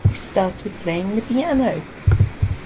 I started playing the piano.